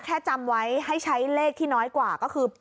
จำไว้ให้ใช้เลขที่น้อยกว่าก็คือ